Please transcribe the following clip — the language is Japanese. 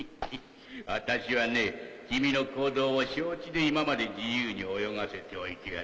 私はね君の行動を承知で今まで自由に泳がせておいてやった。